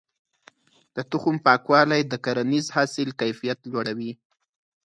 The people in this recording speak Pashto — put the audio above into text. د تخم پاکوالی د کرنیز حاصل کيفيت لوړوي.